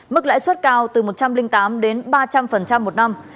mức lãi suất cao từ một trăm linh tám đến ba trăm linh một năm